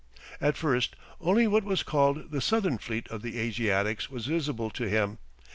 At first, only what was called the Southern fleet of the Asiatics was visible to him.